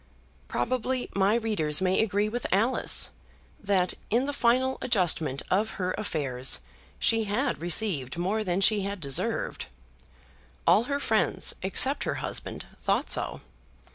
Probably my readers may agree with Alice, that in the final adjustment of her affairs she had received more than she had deserved. All her friends, except her husband, thought so.